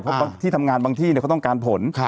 เพราะบางที่ทำงานบางที่เขาต้องการผล